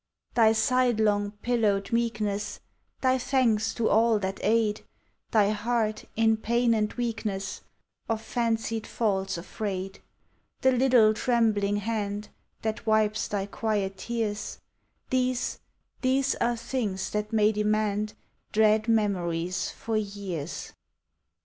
Thy sidelong pillowed meekness; Thy thanks to all that aid; Thy heart, in pain and weakness, Of fancied faults afraid; The little trembling hand That wipes thy quiet tears, — These, these are things that may demand Dread memories for years.